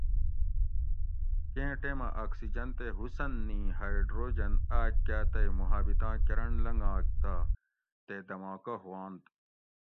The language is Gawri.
کیں ٹیمہ آکسیجن تے حسن نی ہایٔڈروجن آک کاۤ تئ محابتاں کرنٹ لنگاگ تہ تے دھماکہ ھوانت